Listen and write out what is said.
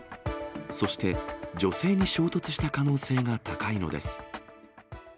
そして、女性に衝突した可能性が高いのです。